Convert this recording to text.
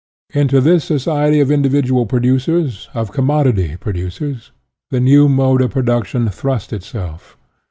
Into this society of individual producers, of commodity pro ducers, the new mode of production thrust itself.